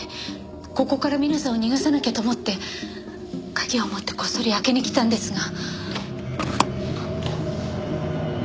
ここから皆さんを逃がさなきゃと思って鍵を持ってこっそり開けにきたんですが。